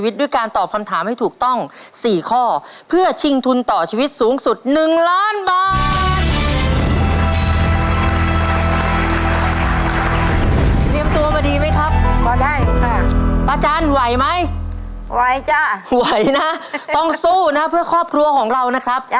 ต้องสู้เพื่อครอบครัวของเรานะครับ